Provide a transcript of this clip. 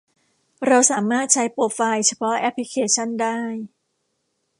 เราสามารถใช้โปรไฟล์เฉพาะแอปพลิเคชันได้